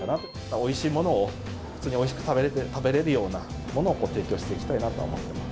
おいしいものを普通においしく食べれるようなものを提供していきたいなとは思ってます。